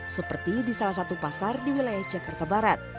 seperti di salah satu pasar di wilayah jakarta barat